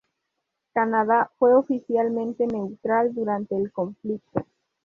Canadá, fue oficialmente neutral durante el conflicto.